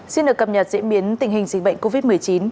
xin được cập nhật diễn biến tình hình dịch bệnh covid một mươi chín